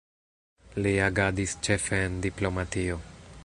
Li agadis ĉefe en diplomatio.